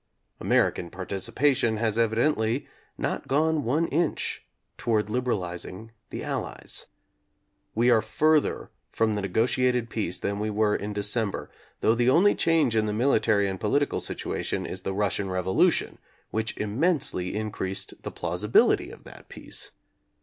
American participation has evidently not gone one inch toward liberaliz ing the Allies. We are further from the nego tiated peace than we were in December, though the only change in the military and political situation is the Russian revolution which immensely in creased the plausibility of that peace.